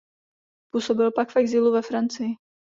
Působil pak v exilu ve Francii.